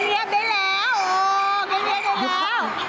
เงียบอยู่แล้ว